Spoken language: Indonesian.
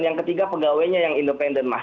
yang ketiga pegawainya yang independen mas